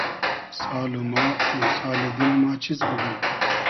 سال و ما ایمسالی دیل ما چیز بوگیم